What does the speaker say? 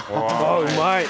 うまい！